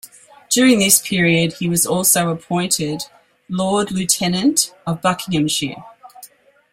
During this period, he was also appointed Lord Lieutenant of Buckinghamshire.